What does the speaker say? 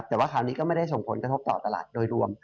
แต่ว่าคราวนี้ก็ไม่ได้ส่งผลกระทบต่อตลาดโดยรวม